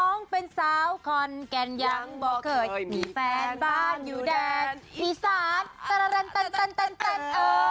น้องเป็นสาวขอนแก่นยังบอกเคยมีแฟนบ้านอยู่แดดอีสาน